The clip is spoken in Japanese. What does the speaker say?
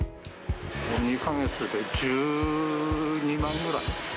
２か月で１２万ぐらい。